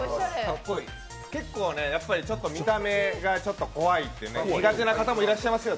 結構、見た目がちょっと怖いって苦手な方もいらっしゃいますが、